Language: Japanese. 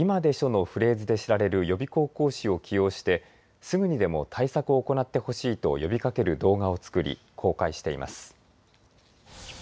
のフレーズで知られる予備校講師を起用してすぐにでも対策を行ってほしいと呼びかける動画を作り、公開しています。